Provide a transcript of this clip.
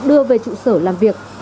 đưa về trụ sở làm việc